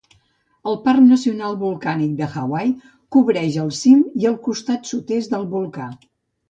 El Parc Nacional Volcànic de Hawaii cobreix el cim i el costat sud-est del volcà.